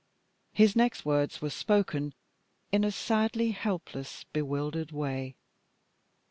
His next words were spoken in a sadly helpless, bewildered way.